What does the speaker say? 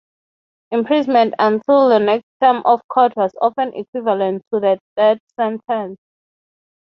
Imprisonment until the next term of court was often equivalent to a death sentence.